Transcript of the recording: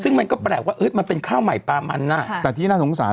ซึ่งมันก็แปลกว่ามันเป็นข้าวใหม่ปลามันแต่ที่น่าสงสาร